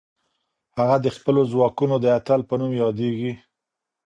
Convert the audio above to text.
هغه د خپلو ځواکونو د اتل په نوم یادېږي.